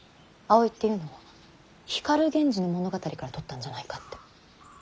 葵っていうのは光源氏の物語からとったんじゃないかって。